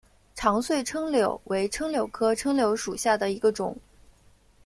长穗柽柳为柽柳科柽柳属下的一个种。